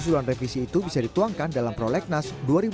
yang terakhir dikatakan dalam prolegnas dua ribu delapan belas